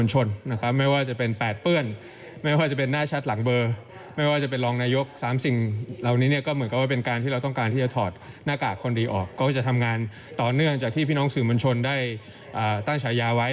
หน้ากากคนดีออกก็จะทำงานต่อเนื่องจากที่พี่น้องสื่อมัญชนได้ตั้งฉายาไว้